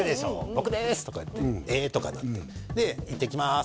「僕です！」とか言って「え」とかなって「いってきます